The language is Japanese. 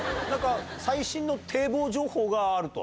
最新の堤防情報があると？